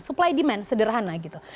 supply demand sederhana gitu